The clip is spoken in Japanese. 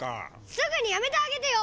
すぐにやめてあげてよ！